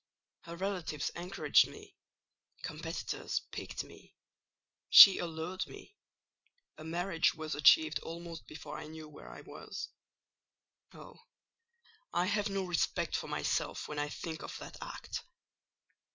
Her relatives encouraged me; competitors piqued me; she allured me: a marriage was achieved almost before I knew where I was. Oh, I have no respect for myself when I think of that act!